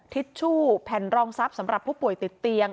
ทิชชู่แผ่นรองทรัพย์สำหรับผู้ป่วยติดเตียง